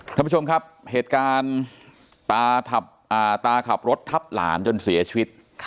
ท่านผู้ชมครับเหตุการณ์ตาขับรถทับหลานจนเสียชีวิต